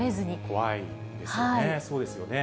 怖いですよね、そうですよね。